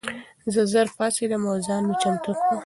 زه ژر پاڅېدم او ځان مې چمتو کړ.